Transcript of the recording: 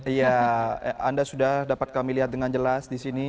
iya anda sudah dapat kami lihat dengan jelas di sini